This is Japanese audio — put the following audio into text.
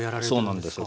そうなんです。